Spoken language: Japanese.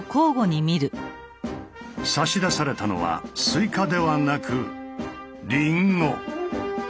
差し出されたのはスイカではなくリンゴ。